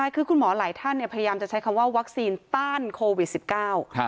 คือคุณหมอหลายท่านพยายามจะใช้คำว่าวัคซีนต้านโควิด๑๙